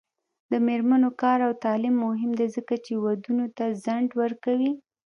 د میرمنو کار او تعلیم مهم دی ځکه چې ودونو ته ځنډ ورکوي.